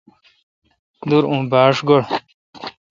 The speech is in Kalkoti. دور اوں با ݭ گاڑ۔